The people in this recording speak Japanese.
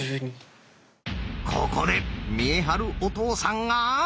ここで見栄晴お父さんが！